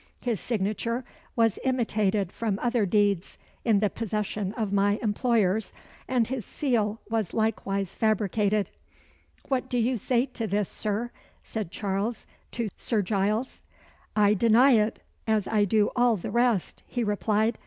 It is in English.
His signature was imitated from other deeds in the possession of my employers, and his seal was likewise fabricated." "What say you to this, Sir?" said Charles, to Sir Giles. "I deny it, as I do all the rest," he replied.